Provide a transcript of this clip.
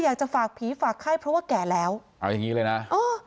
อยากจะฝากผีฝากไข้เพราะว่าแก่แล้วเอาอย่างงี้เลยนะเออ